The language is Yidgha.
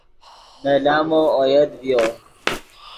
نے لامو اویت ڤیو